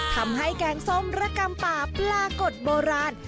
แกงส้มระกำป่าปลากดโบราณ